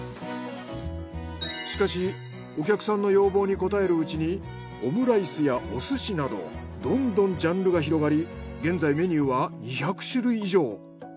しかしお客さんの要望に応えるうちにオムライスやおすしなどどんどんジャンルが広がり現在メニューは２００種類以上。